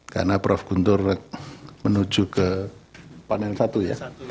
karena prof guntur menuju ke panel satu ya